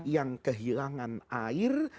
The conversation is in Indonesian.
yang kehilangan air